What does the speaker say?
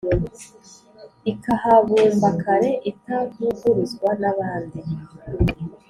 Ikahabumba kare itavuguruzwa nabandi